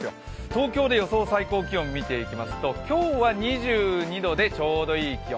東京で見ていきますと今日は２２度でちょうどいい気温。